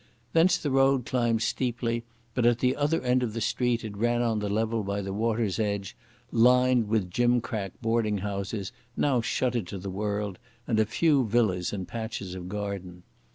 Thence the road climbed steeply, but at the other end of the street it ran on the level by the water's edge, lined with gimcrack boarding houses, now shuttered to the world, and a few villas in patches of garden.